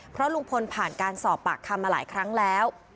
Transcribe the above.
เพราะลุงพลผ่านการสอบปากคำมาหลายครั้งแล้ว